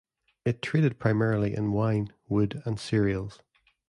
It traded primarily in wine, wood and cereals.